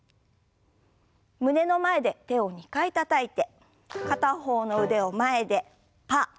胸の前で手を２回たたいて片方の腕を前でパー。